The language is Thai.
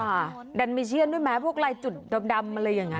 อ่าดันมิเชียนด้วยมั้ยพวกไรจุดดำอะไรอย่างนั้น